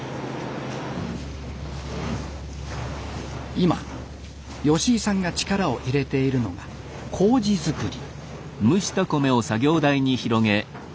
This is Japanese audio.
今吉井さんが力を入れているのが麹づくり。